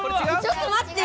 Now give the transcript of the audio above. ちょっとまって！